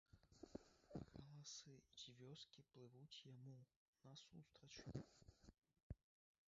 Галасы з вёскі плывуць яму насустрач.